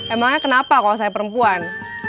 emangnya kenapa kalau saya perempuan